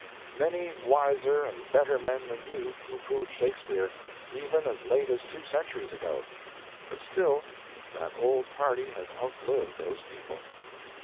Many wiser and better men than you pooh poohed Shakespeare, even as late as two centuries ago; but still that old party has outlived those people.